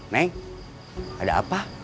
neng ada apa